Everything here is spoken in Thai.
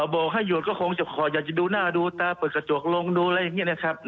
บอกให้หยุดก็คงจะขออยากจะดูหน้าดูตาเปิดกระจกลงดูอะไรอย่างนี้นะครับ